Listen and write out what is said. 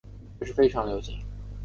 这是非常流行。